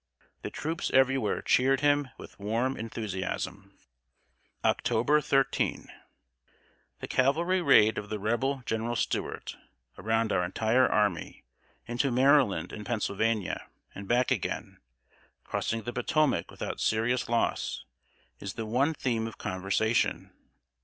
The troops everywhere cheered him with warm enthusiasm. October 13. The cavalry raid of the Rebel General Stuart, around our entire army, into Maryland and Pennsylvania, and back again, crossing the Potomac without serious loss, is the one theme of conversation.